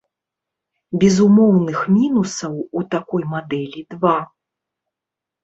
Безумоўных мінусаў у такой мадэлі два.